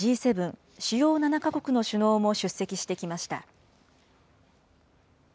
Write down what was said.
・主要７か国の首脳も出席してきました。